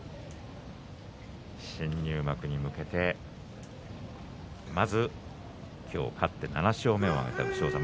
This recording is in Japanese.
新入幕に向けてまず今日、勝って７勝目を挙げた武将山